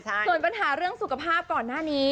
ส่วนปัญหาเรื่องสุขภาพก่อนหน้านี้